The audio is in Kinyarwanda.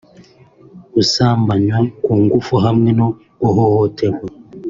gusambanywa ku nguvu hamwe no guhohotegwa